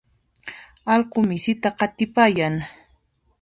Allqu misita qatipayan.